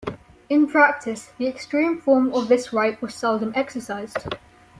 In practice, the extreme form of this right was seldom exercised.